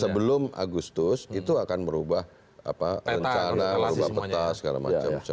sebelum agustus itu akan merubah rencana merubah peta segala macam